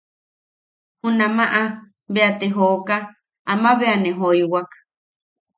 Junamaʼa bea te jooka ama bea ne joiwak.